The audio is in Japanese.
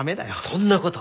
そんなこと！